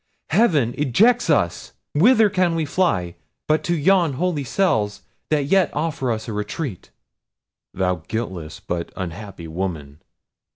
heaven ejects us—whither can we fly, but to yon holy cells that yet offer us a retreat." "Thou guiltless but unhappy woman!